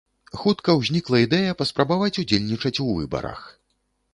Хутка ўзнікла ідэя паспрабаваць удзельнічаць у выбарах.